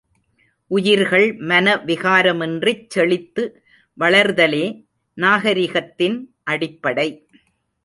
உயிர்கள் மன விகாரமின்றிச் செழித்து வளர்தலே நாகரிகத்தின் அடிப்படை.